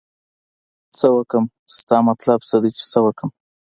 څه وکړم ستا مطلب څه دی چې څه وکړم